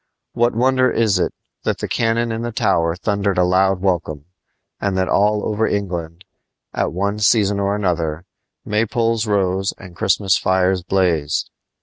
What wonder is it that the cannon in the Tower thundered a loud welcome, and that all over England, at one season or another, maypoles rose and Christmas fires blazed?